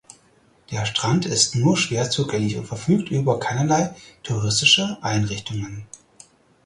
Der Strand ist nur schwer zugänglich und verfügt über keinerlei touristische Einrichtungen.